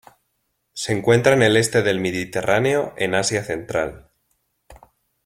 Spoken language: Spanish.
Se encuentra en el este del Mediterráneo en Asia Central.